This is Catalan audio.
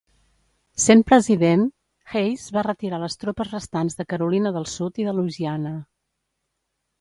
Sent president, Hayes va retirar les tropes restants de Carolina del Sud i de Louisiana.